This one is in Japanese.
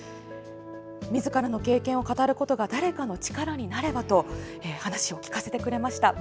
みずからの経験を語ることが誰かの力になればと話を聞かせてくれました。